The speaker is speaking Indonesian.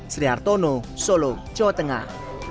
sertono solo jawa tengah